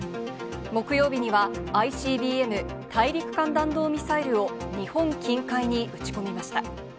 木曜日にはＩＣＢＭ・大陸間弾道ミサイルを日本近海に撃ち込みました。